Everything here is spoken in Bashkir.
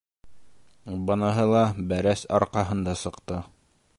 Быныһы ла бәрәс арҡаһында сыҡты.